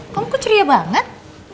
kamu kok curia banget